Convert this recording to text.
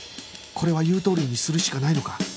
これは言うとおりにするしかないのか？